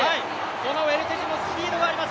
このウェルテジもスピードがあります。